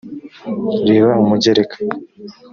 reba umugereka